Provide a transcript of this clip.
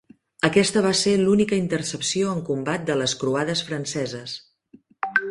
Aquesta va ser l'única intercepció en combat de les croades franceses.